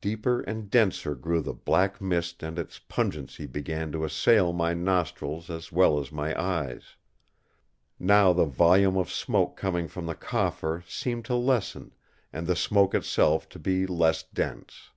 Deeper and denser grew the black mist and its pungency began to assail my nostrils as well as my eyes. Now the volume of smoke coming from the coffer seemed to lessen, and the smoke itself to be less dense.